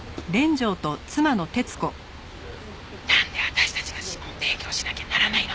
なんで私たちが指紋提供しなきゃならないの？